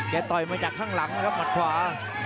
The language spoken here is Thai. ต่อยมาจากข้างหลังนะครับหมัดขวา